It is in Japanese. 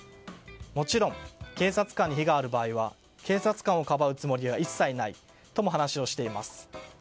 もちろん、警察官に非がある場合は警察官をかばうつもりは一切ないとも話をしています。